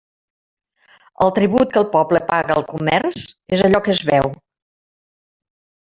El tribut que el poble paga al comerç és allò que es veu.